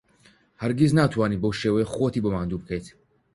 هەرگیز ناتوانیت بەو شێوەیە خۆتی بۆ ماندوو بکەیت.